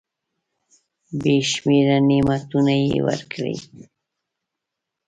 بي شمیره نعمتونه یې ورکړي .